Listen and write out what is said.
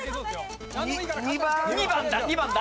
２番だ２番だ。